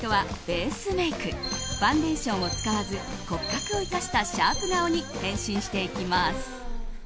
ファンデーションを使わず骨格を生かしたシャープ顔に変身していきます。